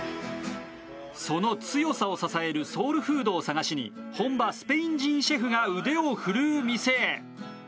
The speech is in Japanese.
その強さを支えるソウルフードを探しに本場スペイン人シェフが腕を振るう店へ。